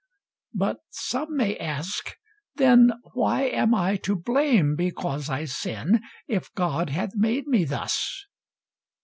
But some may ask, "then why am I to blame Because I sin, if God hath made me thus?"